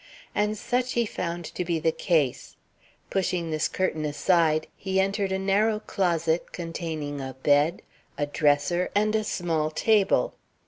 And such he found to be the case. Pushing this curtain aside, he entered a narrow closet containing a bed, a dresser, and a small table.